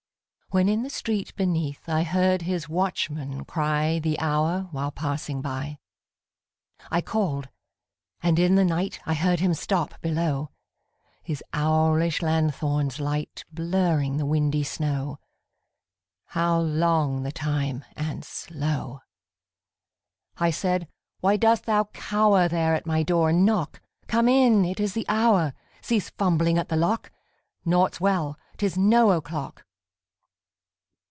When in the street beneath I heard his watchman cry The hour, while passing by. I called. And in the night I heard him stop below, His owlish lanthorn's light Blurring the windy snow How long the time and slow! I said, _Why dost thou cower There at my door and knock? Come in! It is the hour! Cease fumbling at the lock! Naught's well! 'Tis no o'clock!